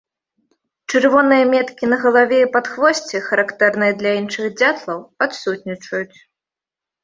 Чырвоныя меткі на галаве і падхвосці, характэрныя для іншых дзятлаў, адсутнічаюць.